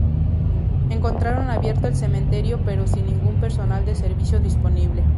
Encontraron abierto el cementerio pero sin ningún personal de servicio disponible.